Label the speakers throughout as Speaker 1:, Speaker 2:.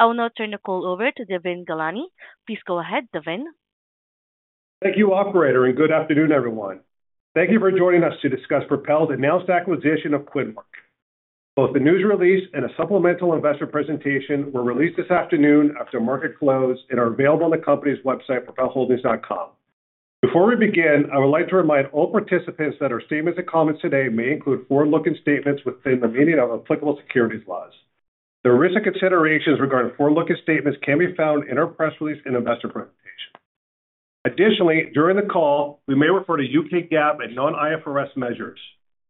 Speaker 1: I will now turn the call over to Devon Ghelani. Please go ahead, Devon.
Speaker 2: Thank you, operator, and good afternoon, everyone. Thank you for joining us to discuss Propel's announced acquisition of QuidMarket. Both the news release and a supplemental investor presentation were released this afternoon after market close and are available on the company's website, propelholdings.com. Before we begin, I would like to remind all participants that our statements and comments today may include forward-looking statements within the meaning of applicable securities laws. The risk and considerations regarding forward-looking statements can be found in our press release and investor presentation. Additionally, during the call, we may refer to UK GAAP and non-IFRS measures.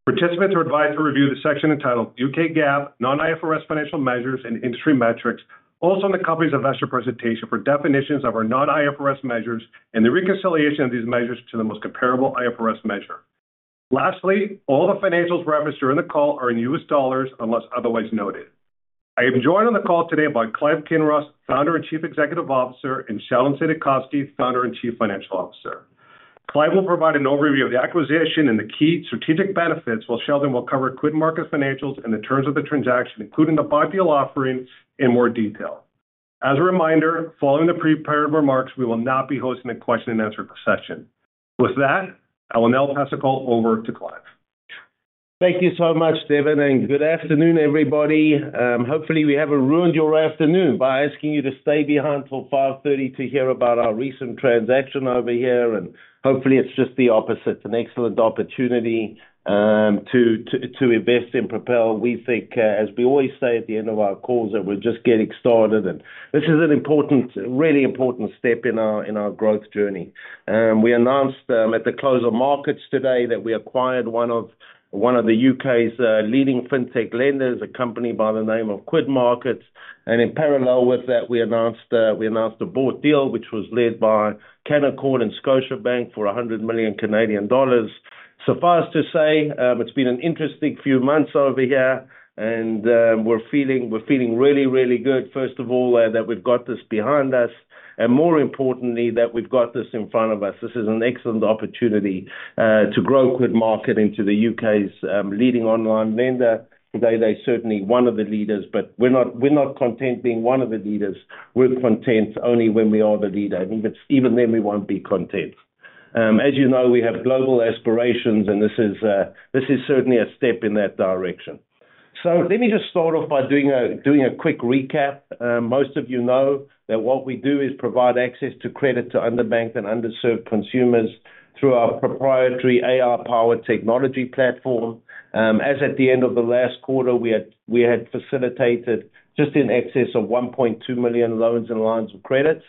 Speaker 2: Participants are advised to review the section entitled UK GAAP, non-IFRS Financial Measures, and Industry Metrics, also on the company's investor presentation, for definitions of our non-IFRS measures and the reconciliation of these measures to the most comparable IFRS measure. Lastly, all the financials referenced during the call are in U.S. dollars, unless otherwise noted. I am joined on the call today by Clive Kinross, Founder and Chief Executive Officer, and Sheldon Saidakovsky, Founder and Chief Financial Officer. Clive will provide an overview of the acquisition and the key strategic benefits, while Sheldon will cover QuidMarket's financials and the terms of the transaction, including the bought deal offerings in more detail. As a reminder, following the prepared remarks, we will not be hosting a question-and-answer session. With that, I will now pass the call over to Clive.
Speaker 3: Thank you so much, Devon, and good afternoon, everybody. Hopefully, we haven't ruined your afternoon by asking you to stay behind till 5:30 P.M. to hear about our recent transaction over here, and hopefully it's just the opposite. An excellent opportunity to invest in Propel. We think, as we always say at the end of our calls, that we're just getting started, and this is an important, really important step in our growth journey. We announced at the close of markets today that we acquired one of the U.K.'s leading fintech lenders, a company by the name of QuidMarket, and in parallel with that, we announced a bought deal, which was led by Canaccord and Scotiabank for 100 million Canadian dollars. So far, as to say, it's been an interesting few months over here, and we're feeling really, really good. First of all, that we've got this behind us, and more importantly, that we've got this in front of us. This is an excellent opportunity to grow QuidMarket into the U.K.'s leading online lender. Today they're certainly one of the leaders, but we're not content being one of the leaders. We're content only when we are the leader, and even then, we won't be content. As you know, we have global aspirations, and this is certainly a step in that direction. So let me just start off by doing a quick recap. Most of you know that what we do is provide access to credit to underbanked and underserved consumers through our proprietary AI-powered technology platform. As at the end of the last quarter, we had facilitated just in excess of 1.2 million loans and lines of credit.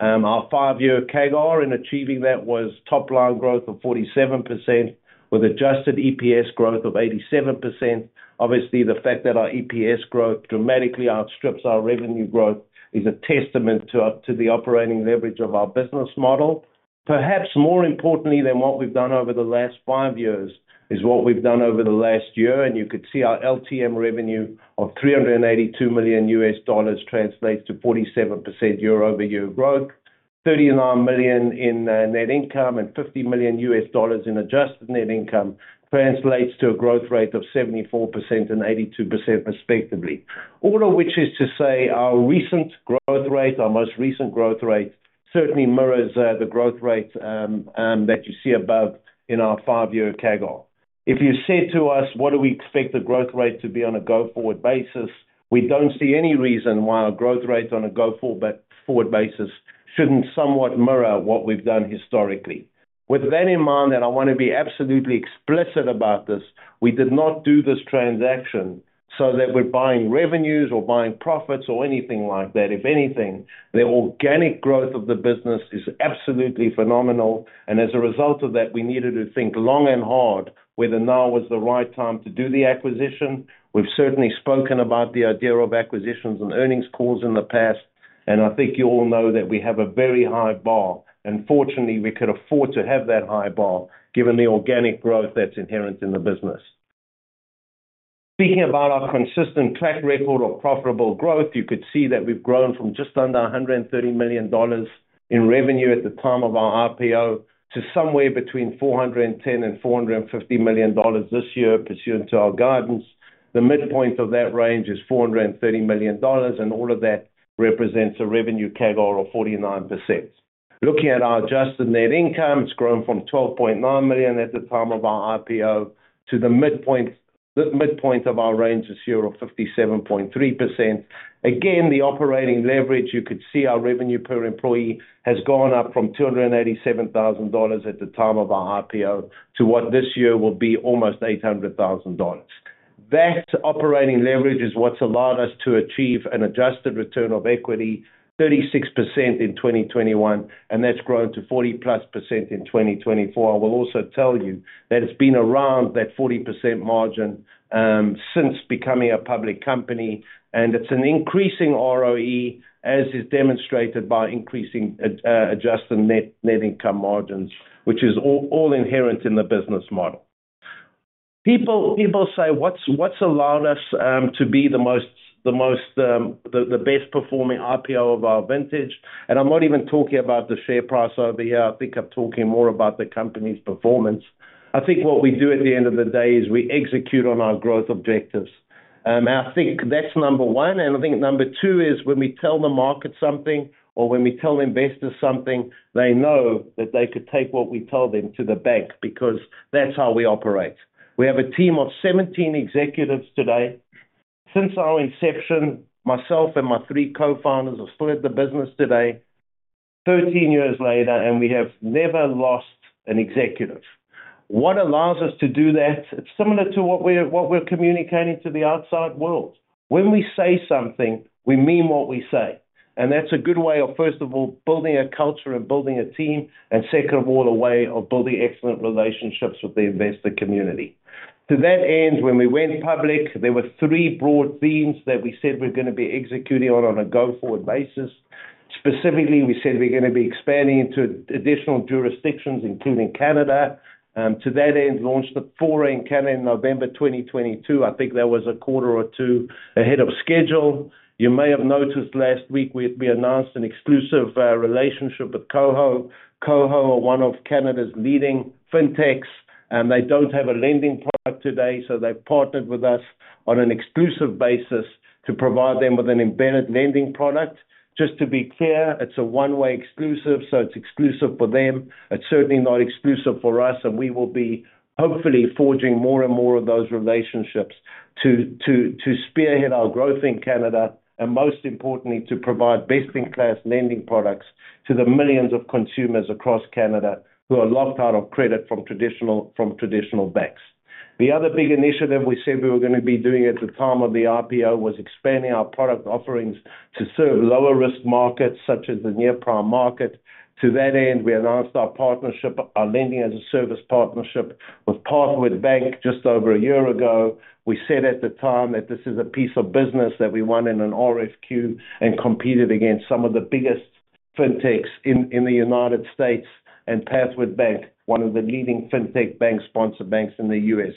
Speaker 3: Our five-year CAGR in achieving that was top line growth of 47%, with adjusted EPS growth of 87%. Obviously, the fact that our EPS growth dramatically outstrips our revenue growth is a testament to the operating leverage of our business model. Perhaps more importantly than what we've done over the last five years is what we've done over the last year, and you could see our LTM revenue of $382 million translates to 47% year-over-year growth, $39 million in net income and $50 million in adjusted net income translates to a growth rate of 74% and 82% respectively. All of which is to say, our recent growth rate, our most recent growth rate, certainly mirrors the growth rate that you see above in our five-year CAGR. If you said to us, what do we expect the growth rate to be on a go-forward basis? We don't see any reason why our growth rates on a go-forward basis shouldn't somewhat mirror what we've done historically. With that in mind, and I want to be absolutely explicit about this, we did not do this transaction so that we're buying revenues or buying profits or anything like that. If anything, the organic growth of the business is absolutely phenomenal, and as a result of that, we needed to think long and hard whether now was the right time to do the acquisition. We've certainly spoken about the idea of acquisitions and earnings calls in the past, and I think you all know that we have a very high bar, and fortunately, we could afford to have that high bar given the organic growth that's inherent in the business. Speaking about our consistent track record of profitable growth, you could see that we've grown from just under $130 million in revenue at the time of our IPO, to somewhere between $410 million and $450 million this year, pursuant to our guidance. The midpoint of that range is $430 million, and all of that represents a revenue CAGR of 49%. Looking at our adjusted net income, it's grown from $12.9 million at the time of our IPO to the midpoint, the midpoint of our range this year of 57.3%. Again, the operating leverage, you could see our revenue per employee has gone up from $287,000 at the time of our IPO, to what this year will be almost $800,000. That operating leverage is what's allowed us to achieve an adjusted return on equity, 36% in 2021, and that's grown to 40%+ in 2024. I will also tell you that it's been around that 40% margin since becoming a public company, and it's an increasing ROE, as is demonstrated by increasing adjusted net income margins, which is all inherent in the business model. People say, what's allowed us to be the best performing IPO of our vintage? And I'm not even talking about the share price over here. I think I'm talking more about the company's performance. I think what we do at the end of the day is we execute on our growth objectives. I think that's number one, and I think number two is when we tell the market something or when we tell investors something, they know that they could take what we told them to the bank, because that's how we operate. We have a team of seventeen executives today. Since our inception, myself and my three Co-founders are still at the business today, thirteen years later, and we have never lost an executive. What allows us to do that? It's similar to what we're communicating to the outside world. When we say something, we mean what we say, and that's a good way of, first of all, building a culture and building a team, and second of all, a way of building excellent relationships with the investor community. To that end, when we went public, there were three broad themes that we said we're gonna be executing on, on a go-forward basis. Specifically, we said we're gonna be expanding into additional jurisdictions, including Canada, to that end, launched the Fora in Canada in November 2022. I think that was a quarter or two ahead of schedule. You may have noticed last week we announced an exclusive relationship with KOHO. KOHO are one of Canada's leading fintechs, and they don't have a lending product today, so they partnered with us on an exclusive basis to provide them with an embedded lending product. Just to be clear, it's a one-way exclusive, so it's exclusive for them. It's certainly not exclusive for us, and we will be hopefully forging more and more of those relationships to spearhead our growth in Canada, and most importantly, to provide best-in-class lending products to the millions of consumers across Canada who are locked out of credit from traditional banks. The other big initiative we said we were gonna be doing at the time of the IPO was expanding our product offerings to serve lower-risk markets, such as the near-prime market. To that end, we announced our partnership, our lending-as-a-service partnership with Pathward Bank just over a year ago. We said at the time that this is a piece of business that we won in an RFQ and competed against some of the biggest fintechs in the United States and Pathward Bank, one of the leading fintech bank-sponsored banks in the U.S.,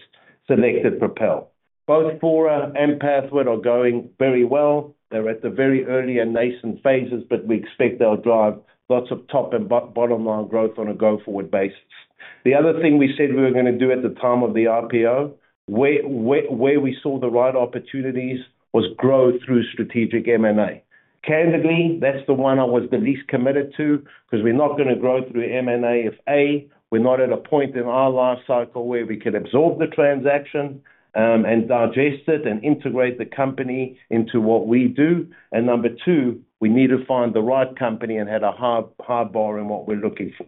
Speaker 3: selected Propel. Both Fora and Pathward are going very well. They're at the very early and nascent phases, but we expect they'll drive lots of top and bottom line growth on a go-forward basis. The other thing we said we were gonna do at the time of the IPO, where we saw the right opportunities, was grow through strategic M&A. Candidly, that's the one I was the least committed to, 'cause we're not gonna grow through M&A if, A, we're not at a point in our life cycle where we could absorb the transaction, and digest it and integrate the company into what we do, and number two, we need to find the right company and had a high bar in what we're looking for.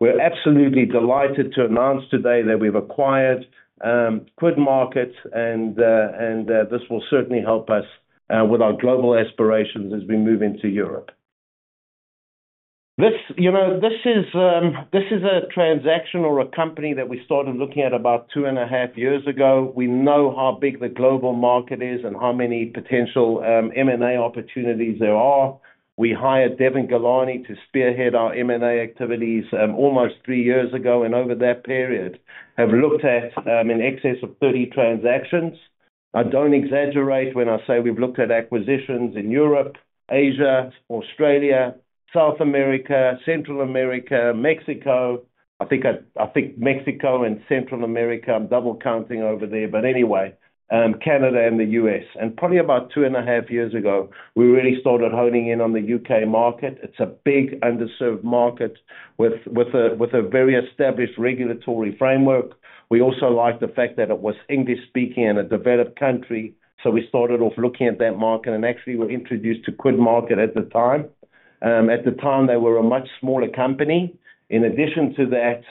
Speaker 3: We're absolutely delighted to announce today that we've acquired QuidMarket and this will certainly help us with our global aspirations as we move into Europe. This, you know, this is a transaction or a company that we started looking at about two and a half years ago. We know how big the global market is and how many potential M&A opportunities there are. We hired Devon Ghelani to spearhead our M&A activities almost three years ago, and over that period, have looked at in excess of 30 transactions. I don't exaggerate when I say we've looked at acquisitions in Europe, Asia, Australia, South America, Central America, Mexico. I think Mexico and Central America, I'm double-counting over there, but anyway, Canada and the U.S. Probably about two and a half years ago, we really started honing in on the UK market. It's a big underserved market with a very established regulatory framework. We also liked the fact that it was English-speaking and a developed country, so we started off looking at that market and actually were introduced to QuidMarket at the time. At the time, they were a much smaller company. In addition to that,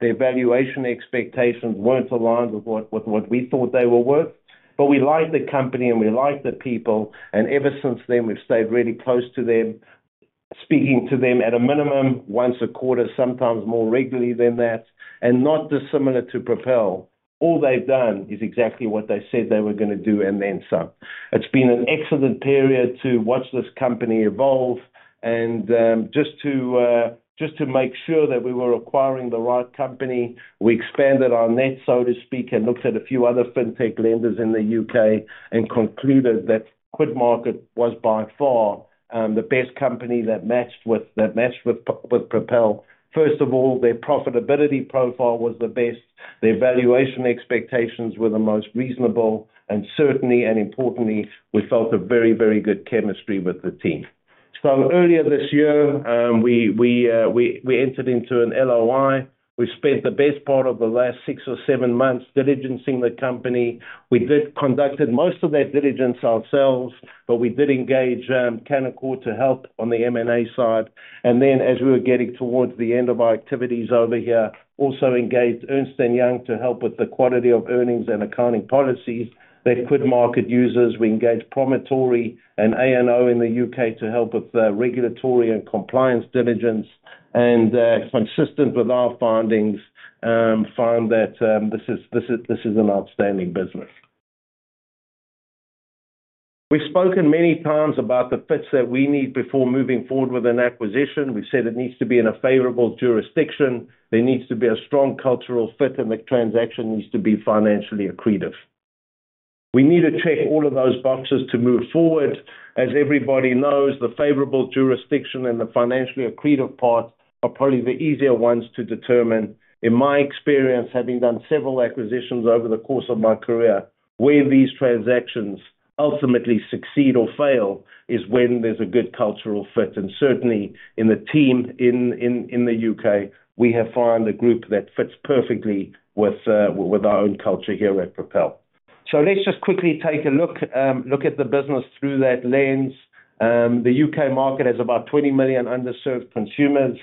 Speaker 3: their valuation expectations weren't aligned with what we thought they were worth, but we liked the company and we liked the people, and ever since then, we've stayed really close to them, speaking to them at a minimum once a quarter, sometimes more regularly than that, and not dissimilar to Propel. All they've done is exactly what they said they were gonna do and then some. It's been an excellent period to watch this company evolve and, just to make sure that we were acquiring the right company, we expanded our net, so to speak, and looked at a few other fintech lenders in the UK and concluded that QuidMarket was by far, the best company that matched with, that matched with Propel. First of all, their profitability profile was the best, their valuation expectations were the most reasonable, and certainly and importantly, we felt a very, very good chemistry with the team. So earlier this year, we entered into an LOI. We spent the best part of the last six or seven months diligencing the company. We did conducted most of that diligence ourselves, but we did engage Canaccord to help on the M&A side, and then as we were getting towards the end of our activities over here, also engaged Ernst & Young to help with the quality of earnings and accounting policies that QuidMarket uses. We engaged Promontory and A&O in the U.K. to help with the regulatory and compliance diligence, and, consistent with our findings, found that this is an outstanding business. We've spoken many times about the fits that we need before moving forward with an acquisition. We've said it needs to be in a favorable jurisdiction, there needs to be a strong cultural fit, and the transaction needs to be financially accretive. We need to check all of those boxes to move forward. As everybody knows, the favorable jurisdiction and the financially accretive part are probably the easier ones to determine. In my experience, having done several acquisitions over the course of my career, where these transactions ultimately succeed or fail, is when there's a good cultural fit. And certainly in the team in the U.K., we have found a group that fits perfectly with our own culture here at Propel. So let's just quickly take a look at the business through that lens. The U.K. market has about 20 million underserved consumers.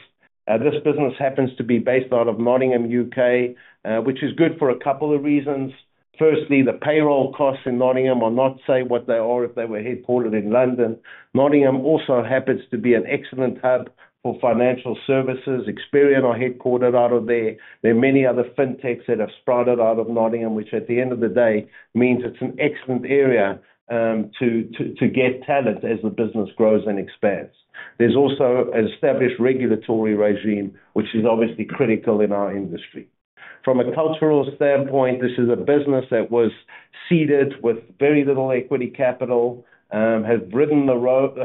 Speaker 3: This business happens to be based out of Nottingham, U.K., which is good for a couple of reasons. Firstly, the payroll costs in Nottingham are not same what they are if they were headquartered in London. Nottingham also happens to be an excellent hub for financial services. Experian are headquartered out of there. There are many other fintechs that have sprouted out of Nottingham, which at the end of the day, means it's an excellent area to get talent as the business grows and expands. There's also an established regulatory regime, which is obviously critical in our industry. From a cultural standpoint, this is a business that was seeded with very little equity capital, have ridden the road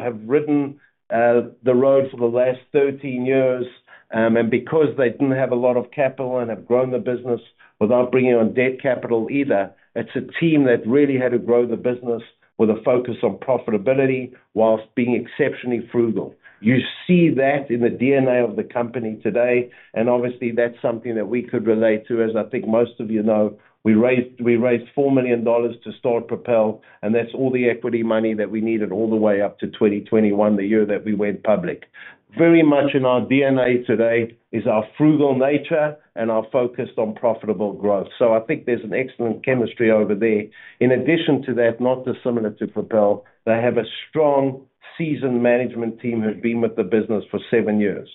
Speaker 3: for the last 13 years. And because they didn't have a lot of capital and have grown the business without bringing on debt capital either, it's a team that really had to grow the business with a focus on profitability whilst being exceptionally frugal. You see that in the DNA of the company today, and obviously, that's something that we could relate to. As I think most of you know, we raised $4 million to start Propel, and that's all the equity money that we needed all the way up to 2021, the year that we went public. Very much in our DNA today is our frugal nature and our focus on profitable growth. So I think there's an excellent chemistry over there. In addition to that, not dissimilar to Propel, they have a strong, seasoned management team who have been with the business for seven years.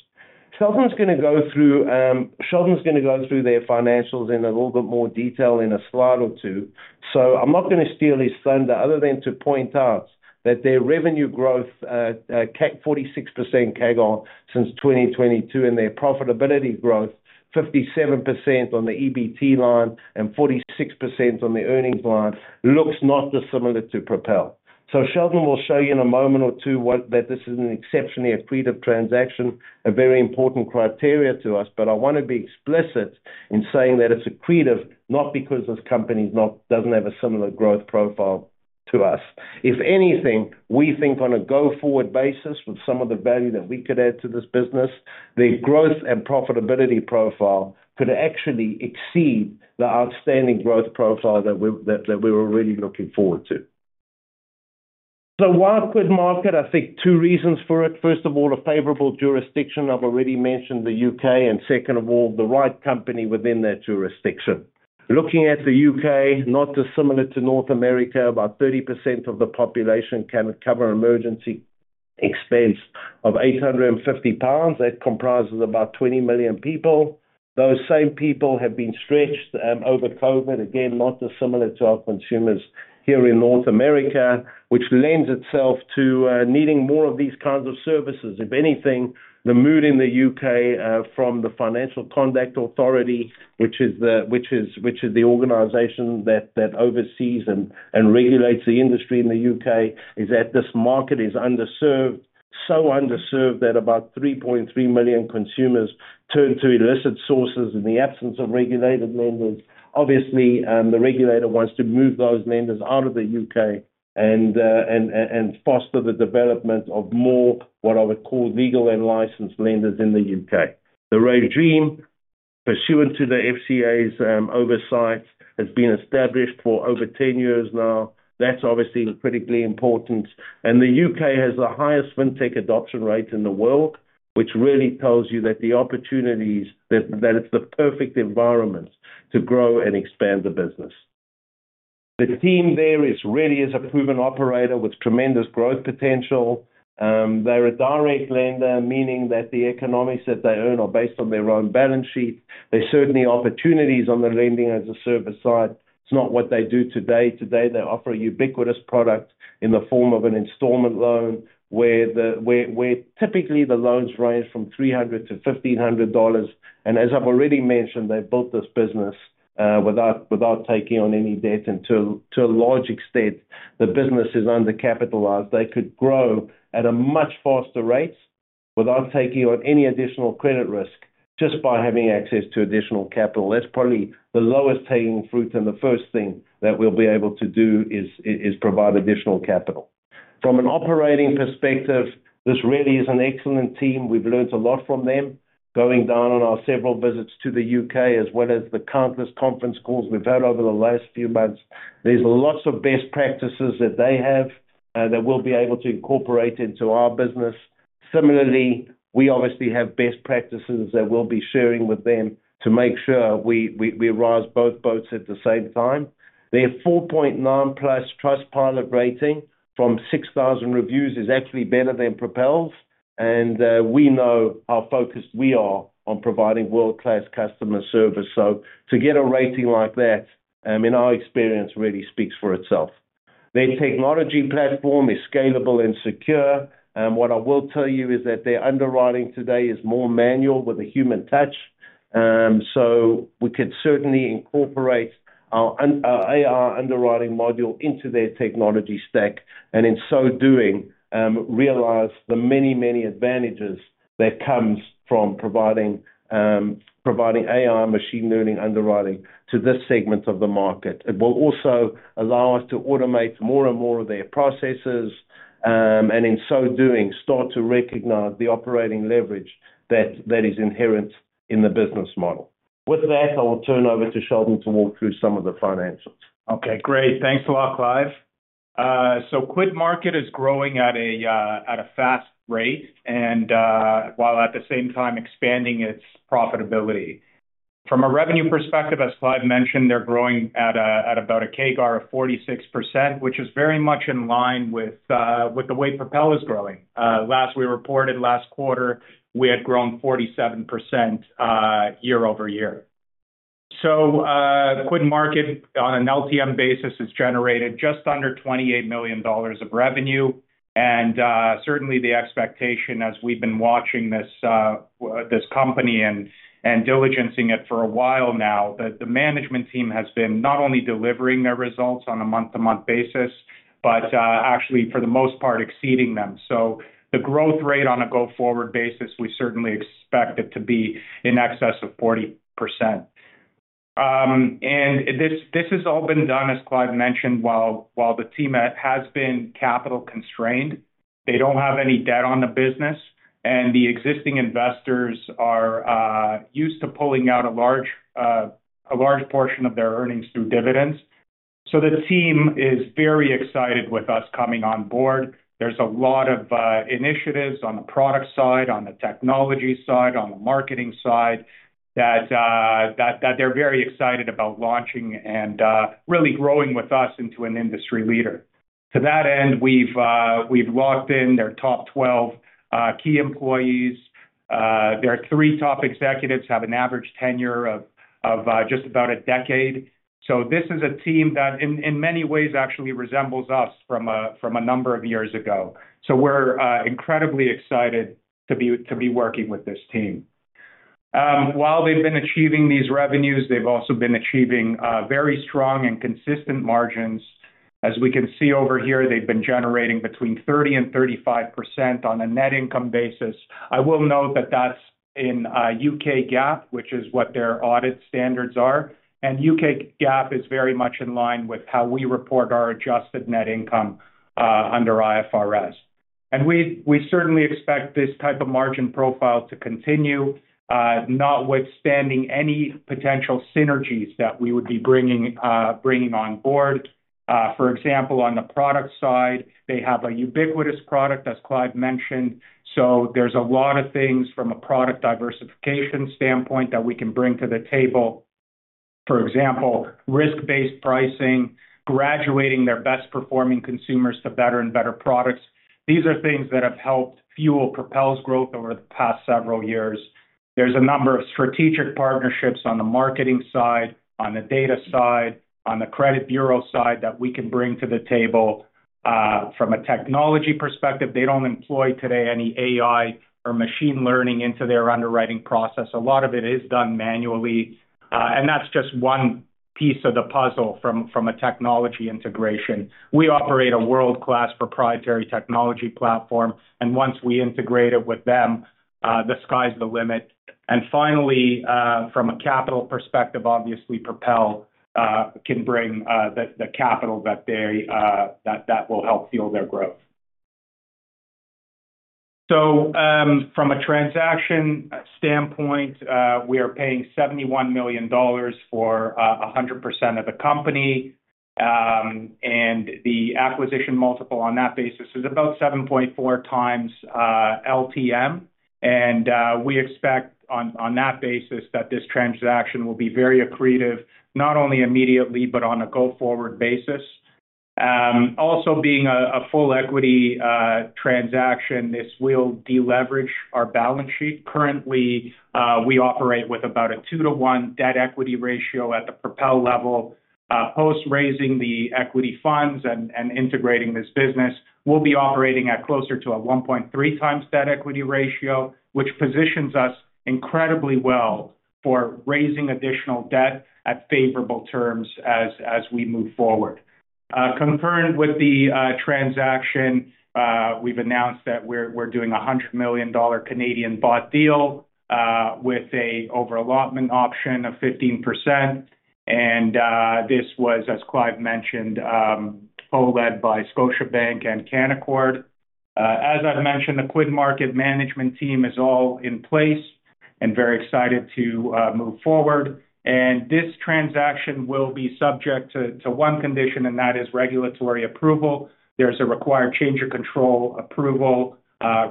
Speaker 3: Sheldon's gonna go through their financials in a little bit more detail in a slide or two. So I'm not gonna steal his thunder other than to point out that their revenue growth, 46% CAGR since twenty twenty-two, and their profitability growth, 57% on the EBT line and 46% on the earnings line, looks not dissimilar to Propel. Sheldon will show you in a moment or two that this is an exceptionally accretive transaction, a very important criteria to us. But I want to be explicit in saying that it's accretive, not because this company doesn't have a similar growth profile to us. If anything, we think on a go-forward basis, with some of the value that we could add to this business, the growth and profitability profile could actually exceed the outstanding growth profile that we're already looking forward to. Why a QuidMarket? I think two reasons for it. First of all, a favorable jurisdiction. I've already mentioned the U.K., and second of all, the right company within that jurisdiction. Looking at the U.K., not dissimilar to North America, about 30% of the population cannot cover emergency expense of 850 pounds. That comprises about 20 million people. Those same people have been stretched over COVID. Again, not dissimilar to our consumers here in North America, which lends itself to needing more of these kinds of services. If anything, the mood in the U.K. from the Financial Conduct Authority, which is the organization that oversees and regulates the industry in the U.K., is that this market is underserved. So underserved that about 3.3 million consumers turn to illicit sources in the absence of regulated lenders. Obviously, the regulator wants to move those lenders out of the U.K. and foster the development of more, what I would call legal and licensed lenders in the U.K. The regime, pursuant to the FCA's oversight, has been established for over ten years now. That's obviously critically important, and the U.K. has the highest fintech adoption rate in the world, which really tells you that the opportunities... That it's the perfect environment to grow and expand the business. The team there is really a proven operator with tremendous growth potential. They're a direct lender, meaning that the economics that they earn are based on their own balance sheet. There's certainly opportunities on the lending as a service side. It's not what they do today. Today, they offer a ubiquitous product in the form of an installment loan, where typically the loans range from $300-$1,500, and as I've already mentioned, they built this business without taking on any debt, and to a large extent, the business is undercapitalized. They could grow at a much faster rate without taking on any additional credit risk, just by having access to additional capital. That's probably the lowest hanging fruit, and the first thing that we'll be able to do is provide additional capital. From an operating perspective, this really is an excellent team. We've learned a lot from them, going down on our several visits to the U.K., as well as the countless conference calls we've had over the last few months. There's lots of best practices that they have that we'll be able to incorporate into our business. Similarly, we obviously have best practices that we'll be sharing with them to make sure we rise both boats at the same time. Their 4.9 plus Trustpilot rating from 6,000 reviews is actually better than Propel's, and we know how focused we are on providing world-class customer service. So to get a rating like that in our experience really speaks for itself. Their technology platform is scalable and secure. And what I will tell you is that their underwriting today is more manual with a human touch. So we could certainly incorporate our AI underwriting module into their technology stack, and in so doing, realize the many, many advantages that comes from providing AI machine learning underwriting to this segment of the market. It will also allow us to automate more and more of their processes, and in so doing, start to recognize the operating leverage that is inherent in the business model. With that, I will turn over to Sheldon to walk through some of the financials.
Speaker 4: Okay, great. Thanks a lot, Clive. So QuidMarket is growing at a fast rate, and while at the same time expanding its profitability. From a revenue perspective, as Clive mentioned, they're growing at about a CAGR of 46%, which is very much in line with the way Propel is growing. Last quarter we reported, we had grown 47% year-over-year. So QuidMarket, on an LTM basis, has generated just under $28 million of revenue. And certainly the expectation as we've been watching this company and diligencing it for a while now, that the management team has been not only delivering their results on a month-to-month basis, but actually, for the most part, exceeding them. So the growth rate on a go-forward basis, we certainly expect it to be in excess of 40%. And this has all been done, as Clive mentioned, while the team has been capital constrained. They don't have any debt on the business, and the existing investors are used to pulling out a large portion of their earnings through dividends. So the team is very excited with us coming on board. There's a lot of initiatives on the product side, on the technology side, on the marketing side, that they're very excited about launching and really growing with us into an industry leader. To that end, we've locked in their top 12 key employees. Their three top executives have an average tenure of just about a decade. This is a team that in many ways actually resembles us from a number of years ago. We're incredibly excited to be working with this team. While they've been achieving these revenues, they've also been achieving very strong and consistent margins. As we can see over here, they've been generating between 30% and 35% on a net income basis. I will note that that's in UK GAAP, which is what their audit standards are, and UK GAAP is very much in line with how we report our adjusted net income under IFRS. We certainly expect this type of margin profile to continue, notwithstanding any potential synergies that we would be bringing on board. For example, on the product side, they have a ubiquitous product, as Clive mentioned, so there's a lot of things from a product diversification standpoint that we can bring to the table. For example, risk-based pricing, graduating their best-performing consumers to better and better products. These are things that have helped fuel Propel's growth over the past several years. There's a number of strategic partnerships on the marketing side, on the data side, on the credit bureau side, that we can bring to the table. From a technology perspective, they don't employ today any AI or machine learning into their underwriting process. A lot of it is done manually, and that's just one piece of the puzzle from a technology integration. We operate a world-class proprietary technology platform, and once we integrate it with them, the sky's the limit. And finally, from a capital perspective, obviously, Propel can bring the capital that they will help fuel their growth. So, from a transaction standpoint, we are paying $71 million for 100% of the company. And the acquisition multiple on that basis is about 7.4 times LTM. And we expect on that basis that this transaction will be very accretive, not only immediately, but on a go-forward basis. Also being a full equity transaction, this will deleverage our balance sheet. Currently we operate with about a 2-to-1 debt equity ratio at the Propel level. Post-raising the equity funds and integrating this business, we'll be operating at closer to a 1.3 times debt equity ratio, which positions us incredibly well for raising additional debt at favorable terms as we move forward. Concurrent with the transaction, we've announced that we're doing a 100 million dollar bought deal with an over-allotment option of 15%. And this was, as Clive mentioned, co-led by Scotiabank and Canaccord. As I mentioned, the QuidMarket management team is all in place and very excited to move forward. And this transaction will be subject to one condition, and that is regulatory approval. There's a required change of control approval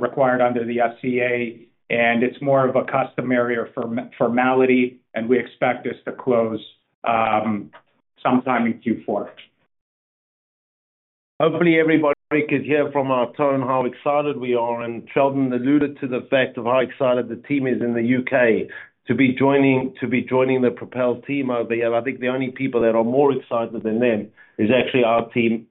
Speaker 4: required under the FCA, and it's more of a customary or formality, and we expect this to close sometime in Q4.
Speaker 3: Hopefully, everybody can hear from our tone how excited we are, and Sheldon alluded to the fact of how excited the team is in the U.K. to be joining the Propel team over here. I think the only people that are more excited than them is actually our team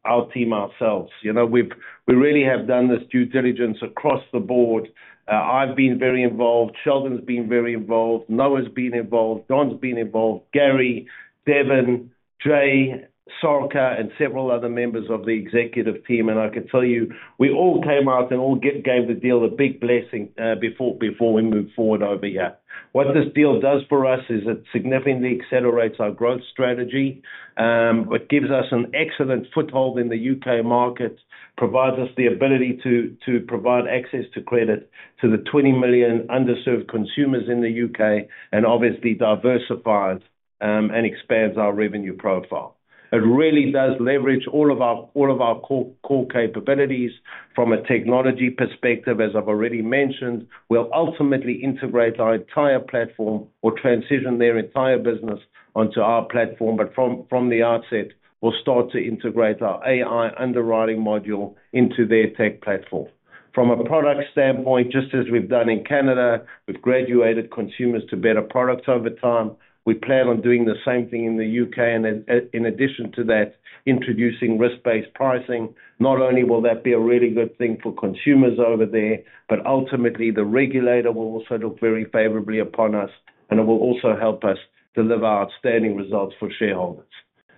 Speaker 3: ourselves. You know, we really have done this due diligence across the board. I've been very involved. Sheldon's been very involved. Noah's been involved. Don's been involved, Gary, Devon, Jay, Sarika, and several other members of the executive team. And I can tell you, we all came out and gave the deal a big blessing before we moved forward over here. What this deal does for us is it significantly accelerates our growth strategy. It gives us an excellent foothold in the UK market, provides us the ability to provide access to credit to the 20 million underserved consumers in the U.K., and obviously diversifies and expands our revenue profile. It really does leverage all of our core capabilities from a technology perspective as I've already mentioned. We'll ultimately integrate our entire platform or transition their entire business onto our platform, but from the outset, we'll start to integrate our AI underwriting module into their tech platform. From a product standpoint, just as we've done in Canada, we've graduated consumers to better products over time. We plan on doing the same thing in the U.K., and then in addition to that, introducing risk-based pricing. Not only will that be a really good thing for consumers over there, but ultimately the regulator will also look very favorably upon us, and it will also help us deliver outstanding results for shareholders.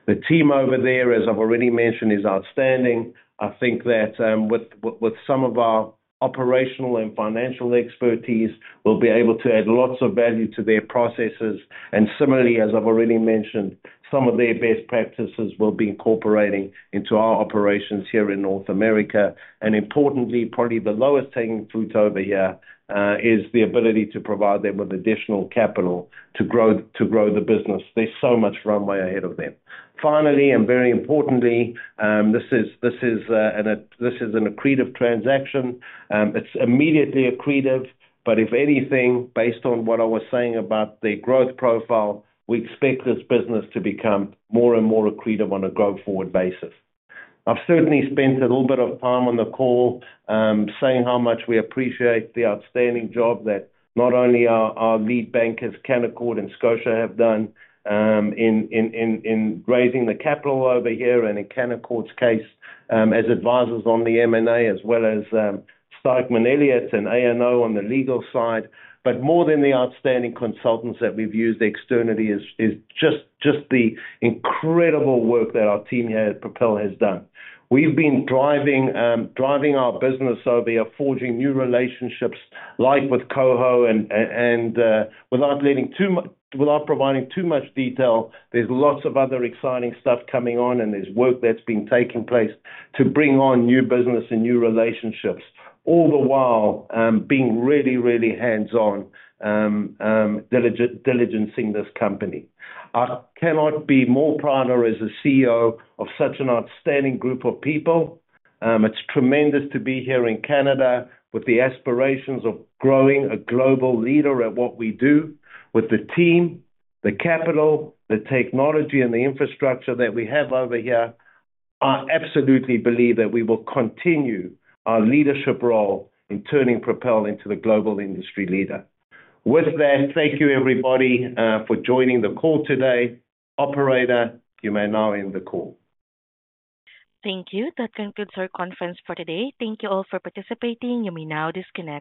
Speaker 3: The team over there, as I've already mentioned, is outstanding. I think that, with some of our operational and financial expertise, we'll be able to add lots of value to their processes. And similarly, as I've already mentioned, some of their best practices will be incorporating into our operations here in North America. And importantly, probably the lowest hanging fruits over here is the ability to provide them with additional capital to grow the business. There's so much runway ahead of them. Finally, and very importantly, this is an accretive transaction. It's immediately accretive but if anything, based on what I was saying about the growth profile, we expect this business to become more and more accretive on a going-forward basis. I've certainly spent a little bit of time on the call, saying how much we appreciate the outstanding job that not only our lead bankers, Canaccord and Scotia, have done, in raising the capital over here and in Canaccord's case, as advisors on the M&A as well as, Stikeman Elliott and ANO on the legal side. But more than the outstanding consultants that we've used externally is just the incredible work that our team here at Propel has done. We've been driving our business over here, forging new relationships, like with KOHO and without providing too much detail, there's lots of other exciting stuff coming on, and there's work that's been taking place to bring on new business and new relationships. All the while, being really, really hands-on, diligencing this company. I cannot be more prouder as a CEO of such an outstanding group of people. It's tremendous to be here in Canada with the aspirations of growing a global leader at what we do. With the team, the capital, the technology, and the infrastructure that we have over here, I absolutely believe that we will continue our leadership role in turning Propel into the global industry leader. With that, thank you, everybody, for joining the call today. Operator, you may now end the call.
Speaker 1: Thank you. That concludes our conference for today. Thank you all for participating. You may now disconnect.